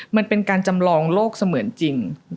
มันเป็นการจำลองโลกเสมือนจริง